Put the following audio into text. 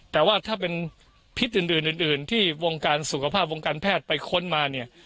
แต่ว่าถ้าเป็นพิษอื่นที่วงการสุขภาพวงการแพทย์ไปค้นมาเนี่ย